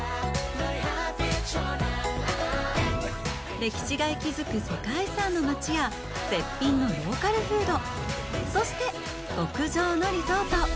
歴史が息づく世界遺産の街や絶品のローカルフード、そして、極上のリゾート。